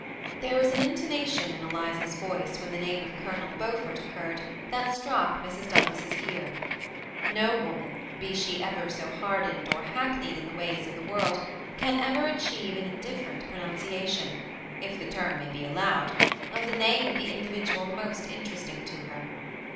There was an intonation in Eliza's voice, when the name of Colonel Beaufort occurred, that struck Mrs* Douglas's ear. No woman, be she ever so hardened or hackneyed in the ways of the world, can ever achieve an indifferent pronunciation, if the term may be allowed, of the name of the individual most inters eating to her.